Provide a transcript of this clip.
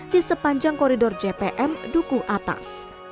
di sepanjang koridor jpm duku atas